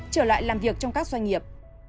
trở lại làm việc trong các doanh nghiệp